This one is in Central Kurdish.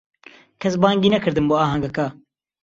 کەس بانگی نەکردم بۆ ئاهەنگەکە.